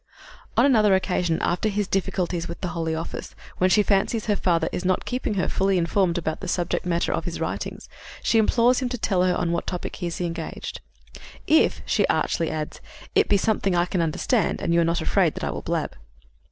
On another occasion, after his difficulties with the Holy Office, when she fancies her father is not keeping her fully informed about the subject matter of his writings, she implores him to tell her on what topic he is engaged, "if," she archly adds, "it be something I can understand and you are not afraid that I will blab."